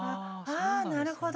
あなるほど。